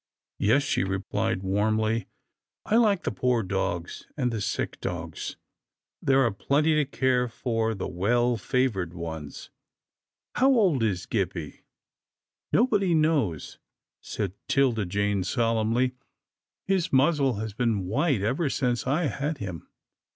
" Yes," she replied, warmly. " I like the poor dogs, and the sick dogs. There are plenty to care for the well favoured ones." " How old is Gippie? "" Nobody knows," said 'Tilda Jane, solemnly. " His muzzle has been white ever since I had him."